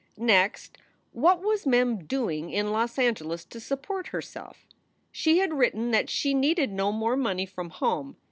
Next, what was Mem doing in Los Angeles to support herself? She had written that she needed no more money from home.